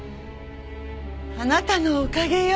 あなたのおかげよ。